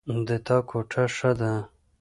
د تا کوټه ښه ده